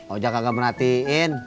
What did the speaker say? oja kagak perhatiin